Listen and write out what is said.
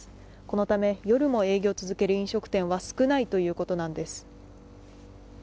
このため、夜も営業を続ける飲食店は少ないということなんです。